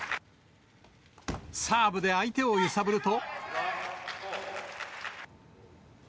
サーブで相手を揺さぶると。